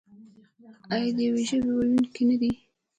آیا د یوې ژبې ویونکي نه دي؟